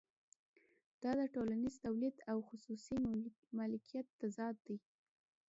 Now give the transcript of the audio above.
دا د ټولنیز تولید او خصوصي مالکیت تضاد دی